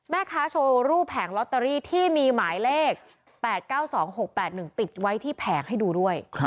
โชว์รูปแผงลอตเตอรี่ที่มีหมายเลข๘๙๒๖๘๑ติดไว้ที่แผงให้ดูด้วย